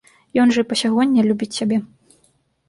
Ён жа і па сягоння любіць цябе.